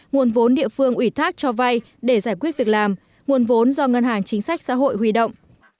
nguồn vốn địa phương ủy thác cho vay để giải quyết việc làm nguồn vốn do ngân hàng chính sách xã hội huy động